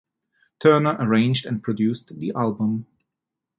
Turner arranged and produced the album.